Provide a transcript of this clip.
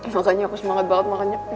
makanya aku semangat banget makannya